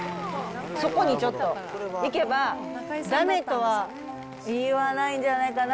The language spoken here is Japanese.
そこにちょっと行けば、だめとは言わないんじゃないかな。